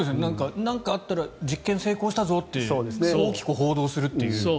なんかあったら実験成功したぞって大きく報道するという。